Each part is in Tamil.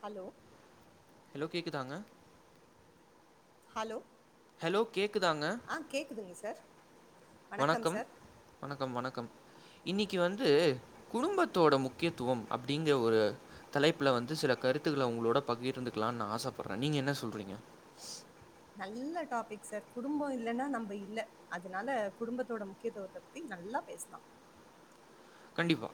ஹலோ ஹலோ கேக்குதாங்க ஹலோ ஹலோ கேட்க்குதாங்க ஆ கேக்குதுங்க சார் வணக்கம் வணக்கம் வணக்கம் இன்னைக்கு வந்து குடும்பத்தோட முக்கியத்துவம் அப்படிங்கற ஒரு தலைப்புல வந்து சில கருத்துக்களை உங்களோட பகிர்ந்துக்கலாம்னு நான் ஆசைப்படுறேன் நீங்க என்ன சொல்றீங்க நல்ல டாபிக் சார் குடும்பம் இல்லைன்னா நம்ம இல்ல அதனால குடும்பத்தோட முக்கியத்துவத்தை பத்தி நல்லா பேசலாம் கண்டிப்பா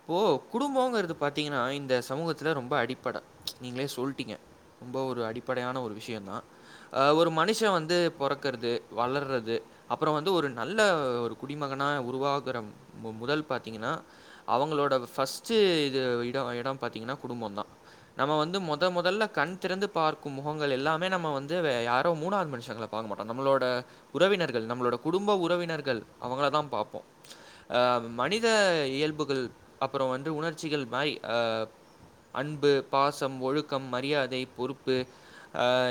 இப்ப குடும்பங்கிறது பார்த்தீங்கன்னா இந்த சமூகத்துல ரொம்ப அடிப்படை நீங்களே சொல்லிட்டீங்க ரொம்ப ஒரு அடிப்படையான ஒரு விஷயம் தா ஒரு மனுஷன் வந்து பிறக்கறது வளர்றது அப்புறம் வந்து ஒரு நல்ல ஒரு குடிமகனாக உருவாகிற முதல் ப விட்டீங்கன அவங்களோட ஃபஸ்ட் இடம் பாத்திங்னா குடும்பம் தா நம்ம வந்து முத முதல்ல கண் திறந்து பார்க்கும் முகங்கள் எல்லாமே நம வந்து யாரோ மூணாவது மனுஷங்க பார்க மாட்டோம் நம்மளோட உறவினர்கள் நம்மளோட குடும்ப உறவினர்கள் அவங்கள தா பார்ப்போம் ம மனித இயல்புகள் அப்புறம் வந்து உணர்ச்சிகள் மாதிரி அன்பு பாசம் ஒழுக்கம் மரியாதை பொறுப்பு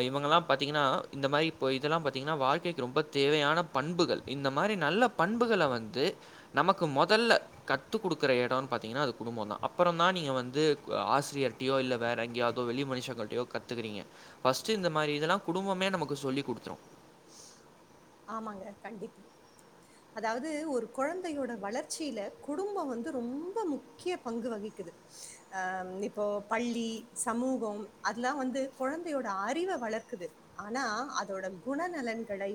இவங்கலாம் பார்த்தீங்கன்னா இந்த மாதிரி இப்போ இதெல்லாம் பார்த்தீங்கன்னா வாழ்க்கைக்கு ரொம்ப தேவையான பண்புகள் இந்த மாதிரி நல்ல பண்புகள வந்து நமக்கு முதல்ல கத்து குடுக்குற இடம்ன்னு பாத்தீங்கன்னா அது குடும்பதா அப்புறம தான் நீங்க வந்து ஆசிரியர்ட்டயோ இல்ல வேற எங்கேயாவதோ வெளி மனுஷர்களிட்டையோ கத்துக்கறீங்க பர்ஸ்ட் இந்த மாதிரி இதெல்லாம் குடும்பமே நமக்கு சொல்லி் கொடுத்துரும் ஆமாங்க கண்டிப்பா அதாவது ஒரு குழந்தையோட வளர்ச்சியில குடும்பம் வந்து ரொம்ப முக்கிய பங்கு வகிக்குது அஹ் இப்போ பள்ளி சமூகம் அதெல்லாம் வந்து குழந்தையோட அறிவை வளர்க்குது ஆனா அதோட குணநலன்களை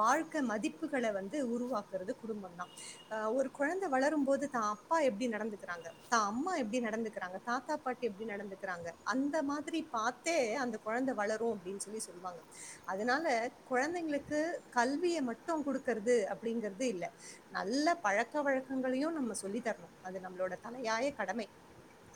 வாழ்க்க மதிப்புகள வந்து உருவாக்குறது குடும்பம்தா அஹ் ஒரு குழந்தை வளரும்போது தான் அப்பா எப்படி நடந்துக்கிறாங்க தா அம்மா எப்படி நடந்துக்கிறாங்க தாத்தா பாட்டி எப்படி நடந்துக்கிறாங்க அந்த மாதிரி பார்த்தே அந்த குழந்த வளரும் அப்படின்னு சொல்லி சொல்லுவாங்க அதனால குழந்தைங்களுக்கு கல்வியை மட்டும் கொடுக்கறது அப்படிங்கறிறது இல்ல நல்ல பழக்க வழக்கங்களையும் நம்ம சொல்லி தரணும் அது நம்மளோட தலையாய கடமை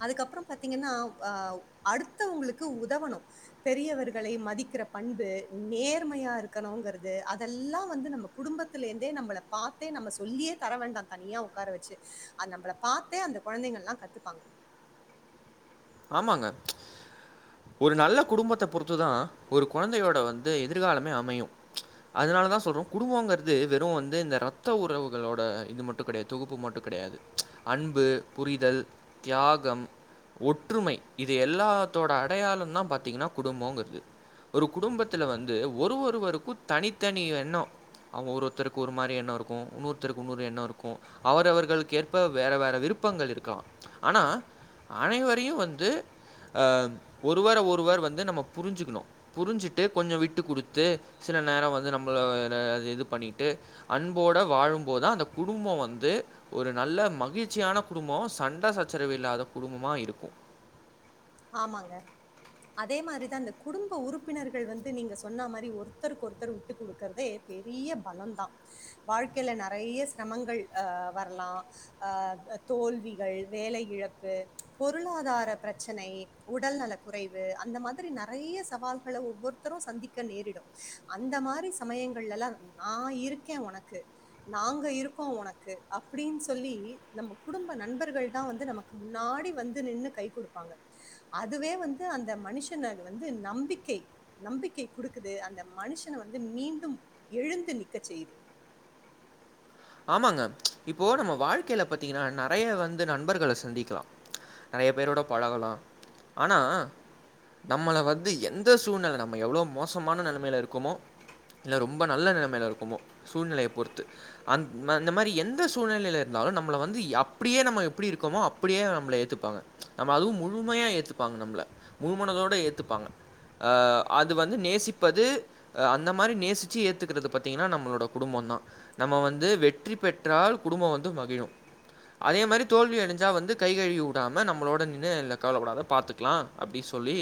அதுக்கப்புறம் பாரத்தீங்கன்னா ஆஹ் அடுத்தவங்களுக்கு உதவணும் பெரியவர்களை மதிக்கிற பண்பு நேர்மையா இருக்கணுங்கிறது அதெல்லாம் வந்து நம்ம குடும்பத்தல இருந்தே நம்மளை பார்த்தே நம்ம சொல்லியே தர வேண்டாம் தனியா உட்கார வச்சு அது நம்மள பார்த்தே அந்த குழந்தைங்க எல்லாம் கத்துப்பாங்க ஆமாங்க ஒரு நல்ல குடும்பத்த பொறுத்துதா ஒரு குழந்தையோட வந்து எதிர்காலமே அமையும் அதனாலதான் சொல்றோம் குடும்பங்கிறது வெறும் வந்து இந்த ரத்த உறவுகளோட இது மட்டும் கிடையாது தொகுப்பு மட்டும் கிடையாது அன்பு புரிதல் தியாகம் ஒற்றுமை இது எல்லாத்தோட அடையாளம் தா பார்த்திங்கன்னா குடும்பங்கிறது ஒரு குடும்பத்தில் வந்து ஒரு ஒருவருக்கும் தனித்தனி எண்ணம் அவங்க ஒரு ஒருத்தருக்கு ஒரு மாதிரி எண்ணம் இருக்கும் இன்னொருத்தருக்கு இன்னொரு எண்ணம் இருக்கும் அவரவர்களுக்கு ஏற்ப வேறு வேறு விருப்பங்கள் இருக்கலாம் ஆனால் அனைவரையும் வந்து ஒருவரை ஒருவர் வந்து நம்ம புரிஞ்சுிக்கணும் புரிஞ்சிட்டு கொஞ்சம் விட்டு கொடுத்து சில நேரம் வந்து நம்மளைது இது பண்ணிவிட்டு அன்போடு வாழும்போதா அந்த குடும்பம் வந்து ஒரு நல்ல மகிழ்ச்சியான குடும்பம் சண்ட சச்சரவு இல்லாத குடும்பமாக இருக்கும் ஆமாங்க அதே மாதிரிதா இந்த குடும்ப உறுப்பினர்கள் வந்து நீங்க சொன்ன மாதிரி ஒருத்தருக்கு ஒருத்தர் விட்டு கொடுக்கறதே பெரிய பலம் தா வாழ்க்கையில நிறைய சிரமங்கள் அஹ் வரலாம் அஹ் தோல்விகள் வேலை இழப்பு பொருளாதார பிர ச்சனை உடல் நல குறைவு அந்த மாதிரி நிறைய சவால்களை ஒவ்வொருத்தரும் சந்திக்க நேரிடும் அந்த மாதிரி சமயங்கள்லல்லாம் நா இருக்கேன் உனக்கு நாங்க இருக்கோம் உனக்கு அப்படின்னு சொல்லி நம்ம குடும்ப நண்பர்கள் தா வந்து நமக்கு முன்னாடி வந்து நின்று கை கொடுக்கும் பங்கா அதுவே வந்து அந்த மனுஷனுக்கு வந்து நம்பிக்கை நம்பிக்கை கொடுக்குது அந்த மனுஷனை வந்து மீண்டும் எழுந்து நிக்க செய்யுது ஆமாங்க இப்போ நம்ம வாழ்க்கையில பாத்தீங்கன்னா நிறைய வந்து நண்பர்கள சந்திக்கலாம் நிறைய பேரோட பழகலாம் ஆனா நம்மள வந்து எந்த சூழ்நிலை நம்ம எவ்வளவு மோசமான நிலைமையில இருக்குமோ இல்ல ரொம்ப நல்ல நிலைமையில இருக்குமோ சூழ்நிலையை பொறுத்து அந அந்த மாதிரி எந்த சூழ்நிலையில் இருந்தாலும் நம்மள வந்து அப்படியே நம்ம எப்படி இருக்கோமோ அப்படியே நம்மளை ஏற்றுப்பாங்க நம்ம அதுவும் முழுமையாக ஏற்றுப்பாங்க நம்மள முழுமனதோடு ஏற்றுப்பாங்க அது வந்து நேசிப்பது அந்த மாதிரி நேசித்து ஏற்றுக்கிறது பார்த்திங்கன்னா நம்மளோட குடும்பம்தா நம்ம வந்து ந்து வெற்றி பெற்றால் குடும்பம் வந்து மகிழும் அதே மாதிரி தோல்வி அடைஞ்சா வந்து கைகழுவி விடாம நம்மளோட நின்று கவலைபடாத பாத்துக்கலாம் அப்படின்னு சொல்லி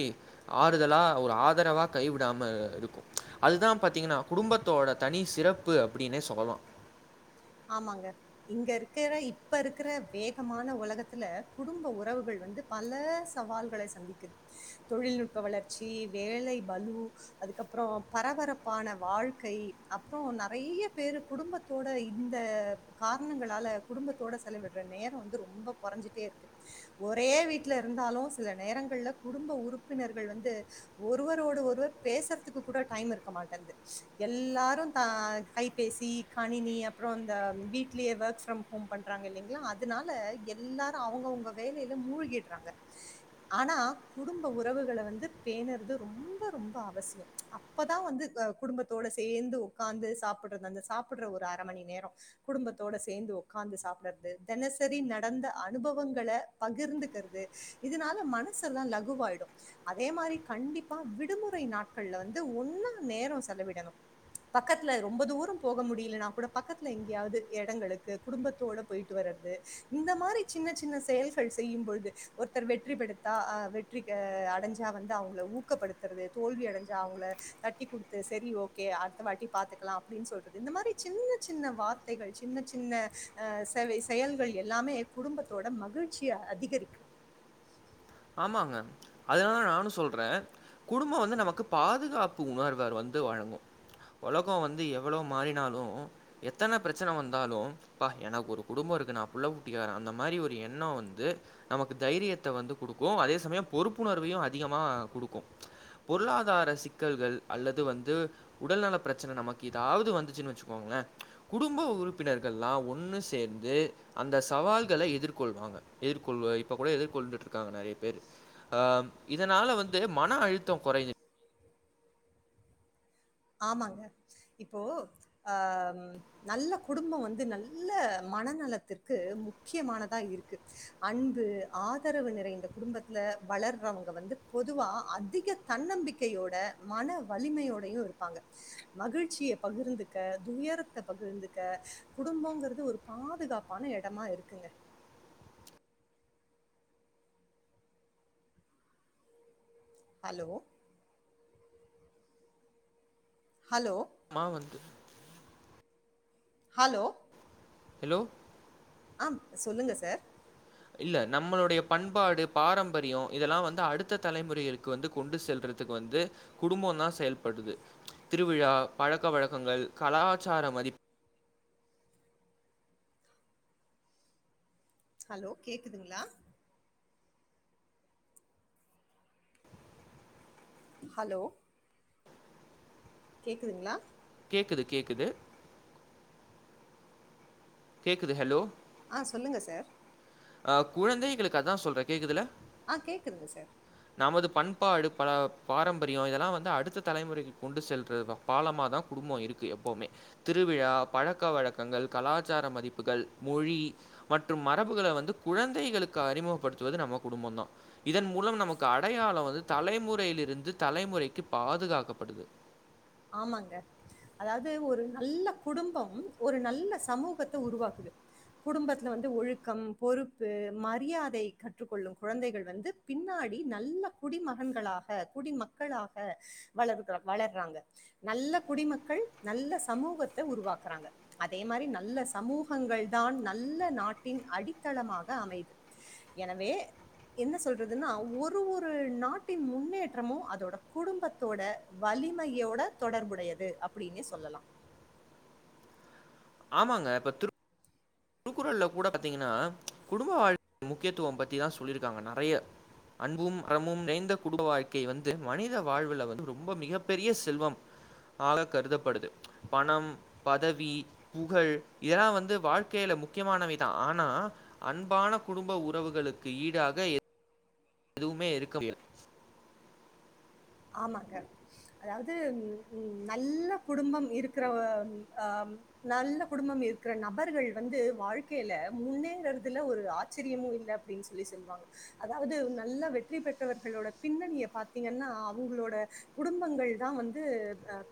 ஆறுதலா ஒரு ஆதரவா கைவிடாம இருக்கும் அதுதா பாத்தீங்கன்னா குடும்பத்தோட தனி சிறப்பு அப்படினே சொல்லலாம் ஆமாங்க இங்க இருக்கிற இப்ப இருக்கிற வேகமான உலகத்துல குடும்ப உறவுகள் வந்து பல சவால்களை சந்திக்குது தொழில்நுட்ப வளர்ச்சி வேலை பலு அதுக்கப்புறம் பரபரப்பான வாழ்க்கை அப்புறம் நிறைய பேரு குடும்பத்தோட இந்த காரணங்களால குடும்பத்தோட செலவிடுற நேரம் வந்து ரொம்ப குறைஞ்சிட்டே இருக்கு ஒரே வீட்ல இருந்தாலும் சில நேரங்கள்ல குடும்ப உறுப்பினர்கள் வந்து ஒருவரோடு ஒருவர் பேசுறதுக்கு கூட டைம் இருக்க மாட்டேது எல்லாரும் த கைபேசி கணினி அப்புறம் இந்த வீட்லயே ஒர்க் ஃப்ரம் ஹோம் பண்றாங்க இல்லைங்களா அதனால எல்லாரும் அவங்கவுங்க வேலையில மூழ்கிடுறாங்க ஆனா குடும்ப உறவுகளை வந்து பேணறது ரொம்ப ரொம்ப அவசியம் அப்பதா வந்து குடும்பத்தோட சேர்ந்து உட்காந்து சாப்பிடுற அந்த சாப்பிடுற ஒரு அற மணி நேரம் குடும்பத்தோட சேர்ந்து உட்கார்ந்து சாப்படுறது தினசரி நடந்த அனுபவங்களை பகிர்ந்துக்கிறது இதனால மனசெல்லாம் லகுவாயிடும் அதே மாதிரி கண்டிப்பா விடுமுறை நாட்கள்ல வந்து ஒன்னா நேரம் செலவிடணும் பக்கத்துல ரொம்ப தூரம் போக முடியலனா கூட பக்கத்துல எங்கேயாவது இடங்களுக்கு குடும்பத்தோட போயிட்டு வர்றது இந்த மாதிரி சின்ன சின்ன செயல்கள் செய்யும்போழுது ஒருத்தர் வெற்றி பெடுத்தாஹ் வெற்றி அடைஞ்சா வந்து அவங்க ஊக்கப்படுத்துறது தோல்வி அடைஞ்சா அவங்கள தட்டி கொடுத்து சரி ஓகே அடுத்த வாட்டி பார்த்துக்கலாம் அப்படின்னு சொல்றது இந்த மாதிரி சின்ன சின்ன வார்த்தைகள் சின்ன சின்ன அஹ் செவ்வே செயல்கள் எல்லாமே என் குடும்பத்தோட மகிழ்ச்சிய அதிகரிக்கும் ஆமாங்க அதனால தா நானும் சொல்றேன் குடும்பம் வந்து நமக்கு பாதுகாப்பு உணர்வை வந்து வழங்கும் உலகம் வந்து எவ்வளவு மாறினாலும் எத்தன பிரச்சனை வந்தாலும் ப்பா எனக்கு ஒரு குடும்பம் இருக்கு நா புள்ள குட்டிக்காரன் அந்த மாரி ஒரு எண்ணம் வந்து நமக்கு தைரியத்தை வந்து கொடுக்கும் அதே சமயம் பொறுப்புணர்வையும் அதிகமா கொடுக்கும் பொருளாதார சிக்கல்கள் அல்லது வந்து உடல்நலப் பிரச்சனை நமக்கு ஏதாவது வந்துச்சுனு வச்சிக்கோங்களேன் குடும்ப உறுப்பினர்கள்லாம் ஒன்னு சேர்ந்து அந்த சவால்களை எதிர்கொள்வாங்க எதிர்கொள்வ இப்பகூட எதிர் கொண்டுட்டு இருக்காங்க நிறைய பேர் அஹ் இதனால வந்து மன அழுத்தம் குறையுது ஆமாங்க இப்போ அஹ் நல்ல குடும்பம் வந்து நல்ல மனநலத்திற்கு முக்கியமானதா இருக்கு அன்பு ஆதரவு நிறைந்த குடும்பத்துல வளர்றவங்க வந்து பொதுவா அதிக தன்னம்பிக்கையோட மன வலிமையோடையும் இருக்கு ப்பாங்க மகிழ்ச்சியை பகிர்ந்துக்க துயரத்த பகிர்ந்துக்க குடும்பங்கிறது ஒரு பாதுகாப்பான இடமா இருக்குங்க ஹலோ ஹலோ மா வந்து ஹலோ ஹலோ ஆம் சொல்லுங்க சார் இல்லை நம்மளுடைய பண்பாடு பாரம்பரியம் இதெல்லாம் வந்து அடுத்த தலைமுறைகளுக்கு வந்து கொண்டு செல்றதுக்கு வந்து குடும்பம் தா செயல்படுது திருவிழா பழக்க வழக்கங்கள் கலாச்சார மதிப் ஹலோ கேக்குதுங்களா ஹலோ கேக்குதுங்களா கேக்குது கேக்குது கேக்குது ஹலோ அஹ் சொல்லுங்க சார் அஹ் குழந்தைகளுக்கு அதா சொல்றேன் கேக்குதுல அஹ் கேக்குதுங்க சார் நமது பண்பாடு பல பாரம்பரியம் இதெல்லாம் வந்து அடுத்த தலைமுறைக்கு கொண்டு செல்றது தா பாலமா தா குடும்பம் இருக்கு எப்பவுமே திருவிழா பழக்க வழக்கங்கள் கலாச்சார மதிப்புகள் மொழி மற்றும் மரபுகளை வந் குழந்தைகளுக்கு அறிமுகப்படுத்துவது நம்ம குடும்பம் தா இதன் மூலம் நமக்கு அடையாளம் வந்து தலைமுறையில் இருந்து தலைமுறைக்கு பாதுகாக்கப்படுது ஆமாங்க அதாவது ஒரு நல்ல குடும்பம் ஒரு நல்ல சமூகத்தை உருவாக்குது குடும்பத்துல வந்து ஒழுக்கம் பொறுப்பு மரியாதை கற்றுக்கொள்ளும் குழந்தைகள் வந்து பின்னாடி நல்ல குடிமகன்களாக குடிமக்களாக வளர்துட்றாங்க வளர்றாங்க நல்ல குடிமக்கள் நல்ல சமூகத்தை உருவாக்குறாங்க அதே மாதிரி நல்ல சமூகங்கள் தான் நல்ல நாட்டின் அடித்தளமாக அமையுது எனவே என்ன சொல்றதுன்னா ஒரு ஒரு நாட்டின் முன்னேற்றமும் அதோட குடும்பத்தோட வலிமையோட தொடர்புடையது அப்படின்னு சொல்லலாம் ஆமாங்க இப்ப திருப் திருக்குறள்ல கூட பாத்தீங்கன்னா குடும்ப வாழ்க்கை முக்கியத்துவ பத்திதா சொல்லியிருக்காங்க நெறைய அன்பும் அறமும் நிறைந்த குடும்ப வாழ் வந்து மனித வாழ்வுல வந்து ரொம்ப மிகப்பெரிய செல்வம் ஆக கருதப்படுது பணம் பதவி புகழ் இதெல்லா வந்து வாழ்- க்கைல முக்கியமானவைதா ஆனா அன்பான குடும்ப உறவுகளுக்கு ஈடாக எ எதுவுமே இருக்க [unintelligible] ஆமாங்க அதாவது உம் ம் நல்ல குடும்பம் இருக்கிற அஹ் நல்ல குடும்பம் இருக்கிற நபர்கள் வந்து வாழ்க்கையில முன்னேறதுல ஒரு ஆச்சரியமும் இல்ல அப்படின்னு சொல்லி சொல்லுவாங்க அதாவது நல்ல வெற்றி பெற்றவர்களோட பின்னணிய பாத்தீங்கன்னா அவ் அவுங்களோட குடும்பங்கள் தா வந்து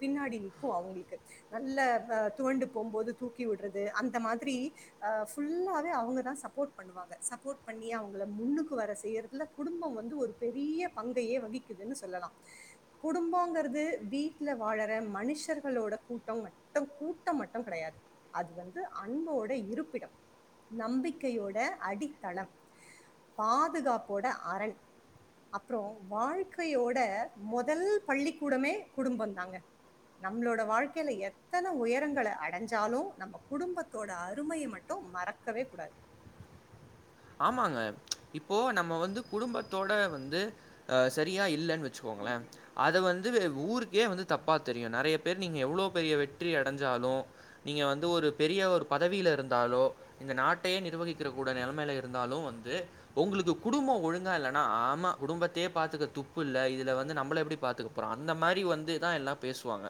பின்னாடி நிற்கு அவுங்களுக்கு நல்ல ஆஹ் துவண்டு போம்போது தூக்கி விடுறது அந்த மாரி அஹ் ஃபுல்லாவே அவுங்கதா சப்போர்ட் பண்ணுவாங்க சப்போர்ட் பண்ணி அவுங்கள முன்னுக்கு வர செய்றதுல குடும்ப வந்து ஒரு பெரிய பங்கையே வகிக்குதுன்னு சொல்லலா குடும்பங்கிறது வீட்டுல வாழற மனுஷர்களோட கூட்டம் மட்டும் கூட்டம் மட்டும் கெடையாது அது வந்து அன்போட இருப்பிடம் நம்பிக்கையோட அடித்தளம் பாதுகாப்போட அரண் அப்புறோ வாழ்க்கையோட மொதல் பள்ளிக்கூடமே குடும்பந்தாங்க நம்மளோட வாழ்க்கையில எத்தனை உயரங்களை அடைஞ்சாலும் நம்ம குடும்பத்தோட அருமையை மட்டும் மறக்கவே கூடாது ஆமாங்க இப்போ நம்ம வந்து குடும்பத்தோட வந்து அஹ் சரியா இல்லன்னு வச்சுக்கோங்களே அத வந்து ஊருக்கே வந்து தப்பா தெரியு நெறைய பேர் நீங்க எவ்வளோ பெரிய வெற்றி அடைஞ்சாலு நீங்க வந்து ஒரு பெரிய ஒரு பதவியில இருந்தாலோ இந்த நாட்டையே நிர்வகிக்க கூட நெலைமையில இரு இருந்தாலு வந்து உங்களுக்கு குடும்ப ஒழுங்கா இல்லன்னா ஆமா குடும்பத்தையே பாத்துக்க துப்பு இல்ல இதுல வந்து நம்மள எப்படி பாத்துக்க போறா அந்த மாரி வந்து தா எல்லா பேசுவாங்க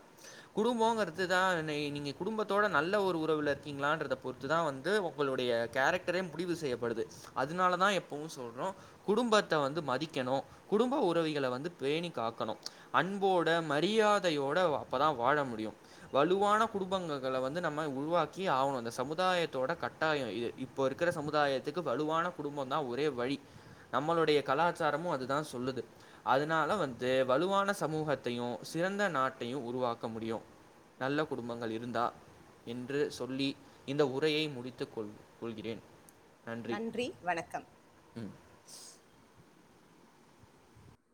குடும்பங்றதுதா நீ நீங்கள் குடும்பத்தோட நல்ல ஒரு உறவில் இருக்கீங்களான்றத பொறுத்துதா வந்து உங்களுடைய கேரக்டரே முடிவு செய்யப்படுது அதனாலதா எப்பவு சொல்றோ குடும்பத்தை வந்து மதிக்கணு குடும்ப உறவிகளை வந்து பேணி காக்கணு அன்போட மரியாதையோட அப்பதா வாழ முடியு வலுவான குடும்பங்கங்கள வந்து நம்ம உருவாக்கி ஆகணு அந்த சமுதாயத்தோட கட்டாய இ இப்போ இருக்கிற சமுதாயத்துக்கு வலுவான குடும்பந்தா ஒரே வழி நம்மளுடைய கலாச்சாரமு அதுதா சொல்லுது அதனால வந்து வலுவான சமூகத்தையு சிறந்த நாட்டையு உருவாக்க முடியு நல்ல குடும்பங்கள் இருந்தா என்று சொல்லி இந்த உரையை முடித்து கொள் கொள்கிறே நன்றி வணக்கம்